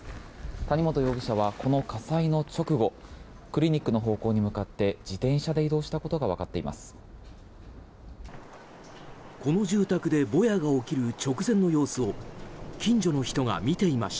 谷本容疑者はこの火災の直後クリニックの方向に向かって自転車で移動したことがわかっています。